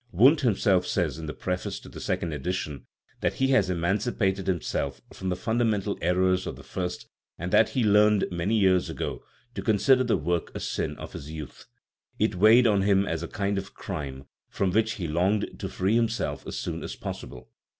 Wundt himself says in the preface to the second edition that he has emancipated himself from the fundamental errors of the first, and that he " learned many years ago to consider the work a sin of his youth"; it " weighed on him as a kind of crime, from which he longed to free himself as soon as possible."